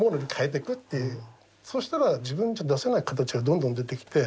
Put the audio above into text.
そしたら自分じゃ出せない形がどんどん出てきて。